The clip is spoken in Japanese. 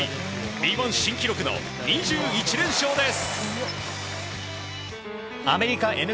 日本新記録の２１連勝です。